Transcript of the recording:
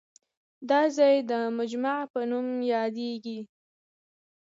دا ځای د مجمع په نوم یادېږي.